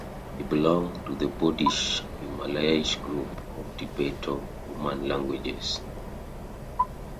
It belongs to the Bodish-Himalayish group of Tibeto-Burman languages.